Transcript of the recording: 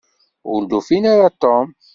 Ur d-ufin ara Tom.